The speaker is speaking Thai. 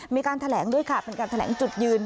มีการแถลงด้วยค่ะเป็นการแถลงจุดยืน